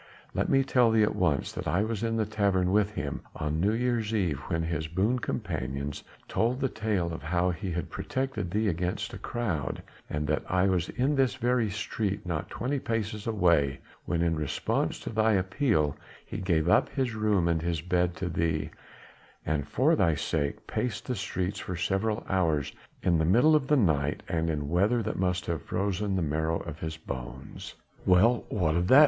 Let me tell thee at once that I was in the tavern with him on New Year's Eve when his boon companions told the tale of how he had protected thee against a crowd; and that I was in this very street not twenty paces away when in response to thy appeal he gave up his room and his bed to thee, and for thy sake paced the streets for several hours in the middle of the night and in weather that must have frozen the marrow in his bones." "Well? What of that?"